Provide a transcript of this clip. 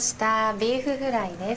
ビーフフライです。